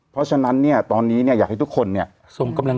เพราะฉะนั้นตอนนี้อยากให้ทุกคน